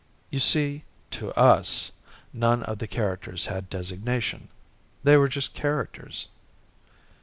You see, to us none of the characters had designation. They were just characters."